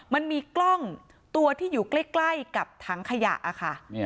มันมีกล้องตัวที่อยู่ใกล้กับถังขยะค่ะ